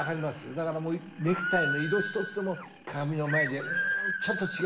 だからネクタイの色一つでも鏡の前で「うんちょっと違う。